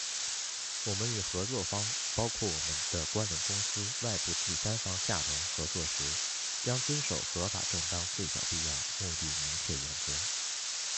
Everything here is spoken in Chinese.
我们与合作方（包括我们的关联公司、外部第三方，下同）合作时，将遵守“合法正当、最小必要、目的明确原则”。